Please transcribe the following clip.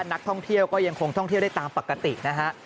นักท่องเที่ยวก็ยังคงท่องเที่ยวได้ตามปกตินะฮะ